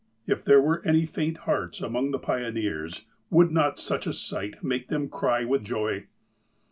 If there were any faint hearts among the pioneers, would not such a sight make them cry with joy?